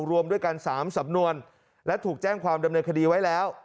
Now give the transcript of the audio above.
รวมด้วยกัน๓สำนวนและถูกแจ้งความดำเนินคดีไว้แล้ว